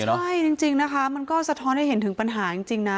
ใช่จริงนะคะมันก็สะท้อนให้เห็นถึงปัญหาจริงนะ